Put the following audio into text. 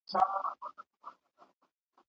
¬ سل په لالي پوري، دا يو ئې د بنگړو.